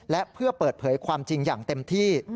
และเพื่อเปิดเผยความจริงอย่างเต็มที่